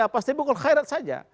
pasti bukan khairat saja